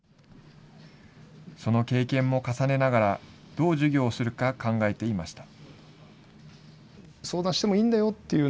その経験も重ねながら、どう授業するか、考えていました。